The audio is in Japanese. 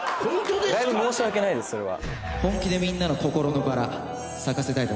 だいぶ申し訳ないですそれは。